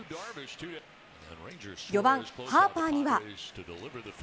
４番ハーパーには。